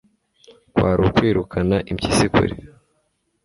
Kwari ukwirukana impyisi kure